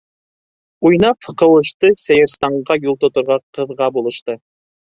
Уйнап, ҡыуышты, Сәйерстанға юл тоторға Ҡыҙға булышты.